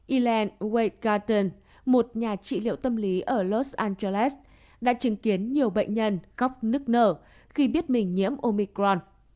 elaine white garten một nhà trị liệu tâm lý ở los angeles đã chứng kiến nhiều bệnh nhân góc nức nở khi biết mình nhiễm omicron